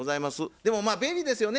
でもまあ便利ですよね